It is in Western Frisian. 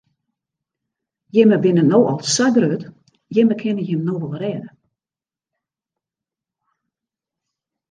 Jimme binne no al sa grut, jimme kinne jim no wol rêde.